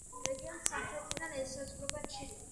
რეგიონს სამხრეთიდან ესაზღვრება ჩილე.